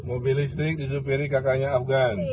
mobil listrik disupiri kakaknya afgan